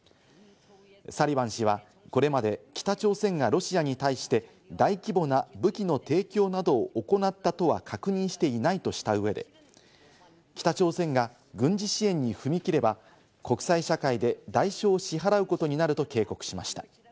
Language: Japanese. サリバン氏はこれまで北朝鮮がロシアに対して大規模な武器の提供などを行ったとは確認していないとした上で、北朝鮮が軍事支援に踏み切れば、国際社会で代償を支払うことになると警告しました。